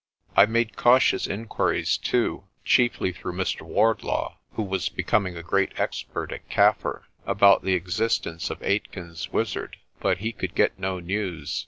I made cautious inquiries, too, chiefly through Mr. Ward law, who was becoming a great expert at Kaffir, about the existence of Aitken's wizard, but he could get no news.